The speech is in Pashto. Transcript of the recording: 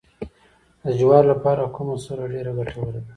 د جوارو لپاره کومه سره ډیره ګټوره ده؟